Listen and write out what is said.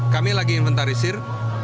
kami lagi inventarisir